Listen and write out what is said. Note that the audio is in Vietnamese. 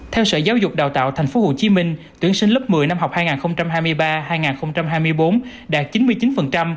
theo sở giáo dục đào tạo tp hcm tuyển sinh lớp một mươi năm học hai nghìn hai mươi ba hai nghìn hai mươi bốn đạt chín mươi chín